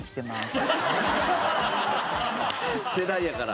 世代やから。